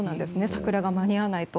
桜が間に合わないと。